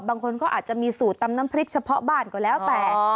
บางคนก็อาจจะมีสูตรตำน้ำพริกเฉพาะบ้านก็แล้วแต่